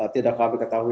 tidak kami ketahui